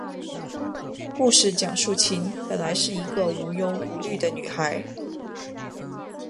故事讲述琴本来是一个无忧无虑的女孩。